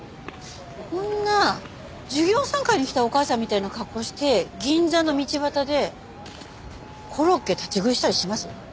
こんな授業参観に来たお母さんみたいな格好して銀座の道端でコロッケ立ち食いしたりします？